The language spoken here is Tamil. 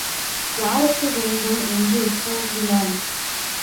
யாருக்கு வேண்டும்? என்று கூவினான்.